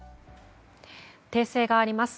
訂正があります。